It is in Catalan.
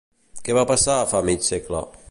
Què va passar fa mig segle?